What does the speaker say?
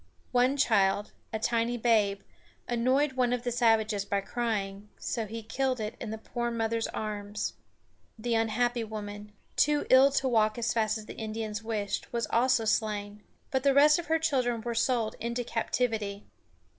One child a tiny babe annoyed one of the savages by crying, so he killed it in the poor mother's arms. The unhappy woman, too ill to walk as fast as the Indians wished, was also slain; but the rest of her children were sold into captivity.